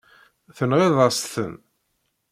Tenɣiḍ-as-ten.